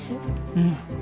うん。